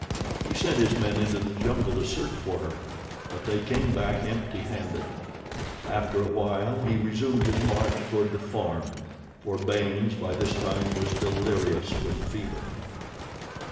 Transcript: He sent his men into the jungle to search for her; but they came back empty handed. After a while he resumed his march toward the farm, for Baynes, by this time, was delirious with fever.